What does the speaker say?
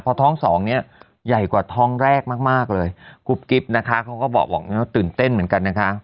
พอท้องสองเนี่ยใหญ่กว่าท้องแรกมากมากเลยกุ๊บกิ๊บนะคะเขาก็บอกว่าตื่นเต้นเหมือนกันนะคะ